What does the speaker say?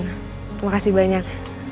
terima kasih banyak